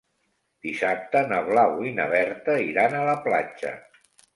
Dissabte na Blau i na Berta iran a la platja.